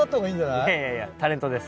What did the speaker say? いやいやタレントです。